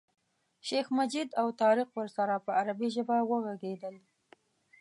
شیخ مجید او طارق ورسره په عربي ژبه وغږېدل.